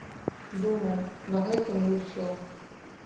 Думаў, на гэтым і ўсё!